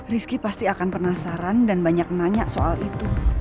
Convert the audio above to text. rizky pasti akan penasaran dan banyak nanya soal itu